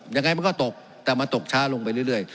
ยังไงมันก็ตกแต่มันตกช้าลงไปเรื่อย